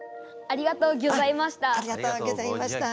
ありがとうギョざいました。